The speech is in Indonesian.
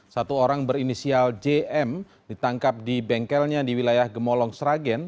satu orang berinisial jm ditangkap di bengkelnya di wilayah gemolong sragen